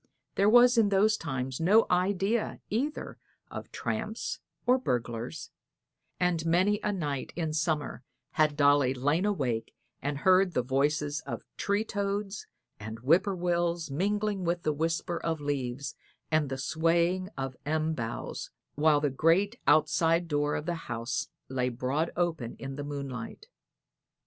There was in those times no idea either of tramps or burglars, and many a night in summer had Dolly lain awake and heard the voices of tree toads and whip poor wills mingling with the whisper of leaves and the swaying of elm boughs, while the great outside door of the house lay broad open in the moonlight.